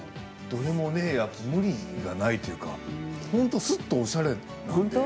どれも無理がないというか本当、すっとおしゃれなんで。